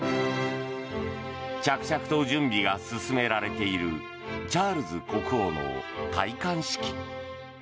着々と準備が進められているチャールズ国王の戴冠式。